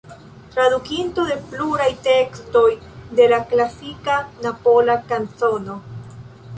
Tradukinto de pluraj tekstoj de la klasika Napola kanzono.